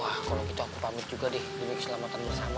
wah kalau gitu aku pamit juga deh demi keselamatan bersama